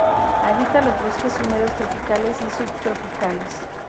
Habita los bosques húmedos tropicales y subtropicales.